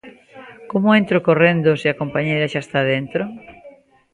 Como entro correndo se a compañeira xa está dentro?